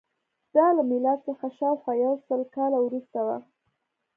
دا له میلاد څخه شاوخوا یو سل کاله وروسته وه